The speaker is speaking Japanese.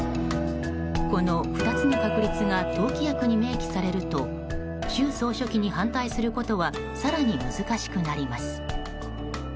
この２つの確立が党規約に明記されると習総書記に反対することは更に難しくなります。